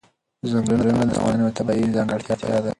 ځنګلونه د افغانستان یوه طبیعي ځانګړتیا ده.